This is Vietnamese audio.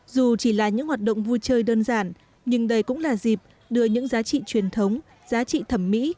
dù chỉ là những hoạt động vui chơi đơn giản nhưng đây cũng là dịp đưa những giá trị truyền thống giá trị thẩm mỹ